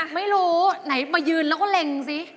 ไม่รู้ไหนมายืนแล้วก็เล็งสิ